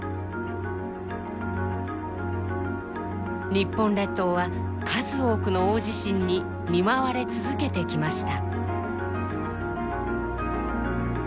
日本列島は数多くの大地震に見舞われ続けてきました。